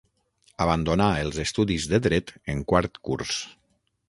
Abandonà els estudis de Dret en quart curs.